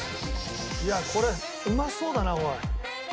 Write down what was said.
いやこれうまそうだなおい。